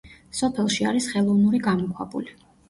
სოფელში არის ხელოვნური გამოქვაბული.